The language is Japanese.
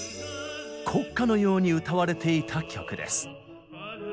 国歌のように歌われていた曲です。